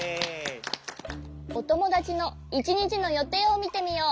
おともだちの１にちのよていをみてみよう。